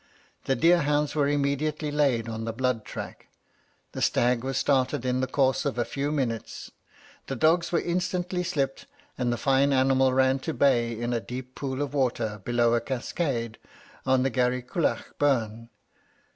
The deer hounds were immediately laid on the blood track. The stag was started in the course of a few minutes; the dogs were instantly slipped, and the fine animal ran to bay in a deep pool of water, below a cascade, on the Garyquulach burn.